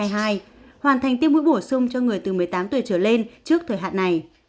hoàn thành tiêm mũi bổ sung cho người từ một mươi tám tuổi trở lên trước thời hạn này